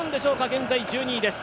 現在１２位です。